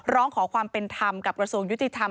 ร้องขอความเป็นธรรมกับกระทรวงยุติธรรม